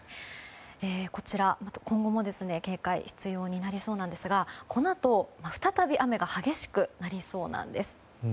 こちら、今後も警戒が必要になりそうなんですがこのあと、再び雨が激しくなりそうなんです。